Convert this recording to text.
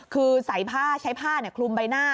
คือใส่ผ้าใช้ผ้าคลุมใบหน้า